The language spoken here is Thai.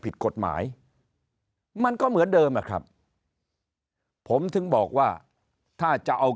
ผิดกฎหมายมันก็เหมือนเดิมอะครับผมถึงบอกว่าถ้าจะเอา